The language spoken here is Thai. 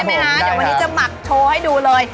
เดี๋ยววันนี้จะหมักโชว์ให้ดูเลย